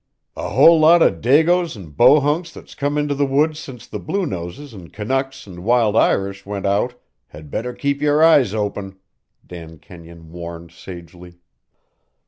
"A whole lot o' dagos an' bohunks that's come into the woods since the blue noses an' canucks an' wild Irish went out had better keep your eyes open," Dan Kenyon warned sagely.